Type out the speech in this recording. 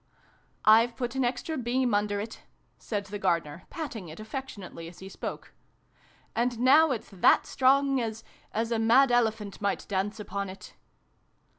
" I've put an extra beam under it!" said the Gardener, paUing it affectionately as he spoke. " And now it's that strong, as as a mad elephant might dance upon it